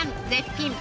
絶品！